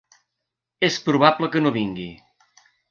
És probable que no vingui.